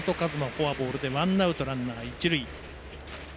フォアボールでワンアウト、ランナー、一塁。